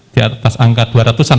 di atas angka dua ratusan